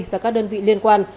và các đơn vị liên quan